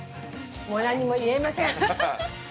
もう何も言えません。